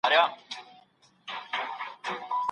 رسمي، اقتصادي او فاميلي نظم ئې خرابيږي.